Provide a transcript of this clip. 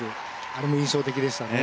あれも印象的でしたね。